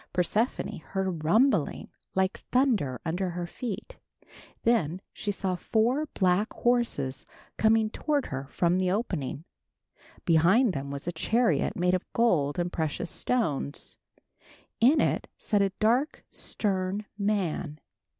Persephone heard a rumbling like thunder under her feet. Then she saw four black horses coming toward her from the opening. Behind them was a chariot made of gold and precious stones. In it sat a dark, stern man.